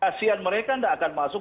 asean mereka tidak akan masuk